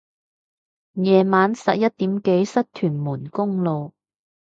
夜晚十一點幾塞屯門公路